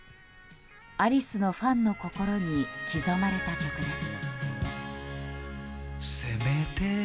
アリスのファンの心に刻まれた曲です。